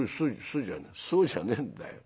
そうじゃねえんだよ。